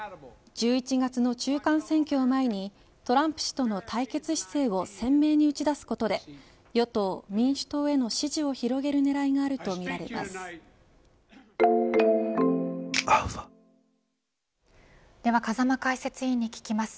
１１月の中間選挙を前にトランプ氏との対決姿勢を鮮明に打ち出すことで与党・民主党への支持を広げる狙いがあるとみられます。